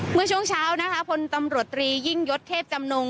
เมื่อช่วงเช้านะคะพลตำรวจตรียิ่งยศเทพจำนง